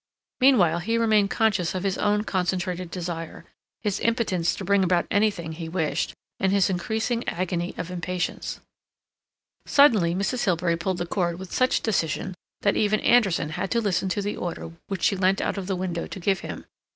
Meanwhile he remained conscious of his own concentrated desire, his impotence to bring about anything he wished, and his increasing agony of impatience. Suddenly Mrs. Hilbery pulled the cord with such decision that even Anderson had to listen to the order which she leant out of the window to give him.